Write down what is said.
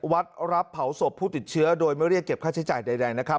รับเผาศพผู้ติดเชื้อโดยไม่เรียกเก็บค่าใช้จ่ายใดนะครับ